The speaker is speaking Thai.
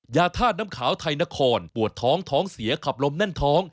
ยาธาตุน้ำขาวไทยนครปวดท้องท้องเสียขับลมแน่นท้อง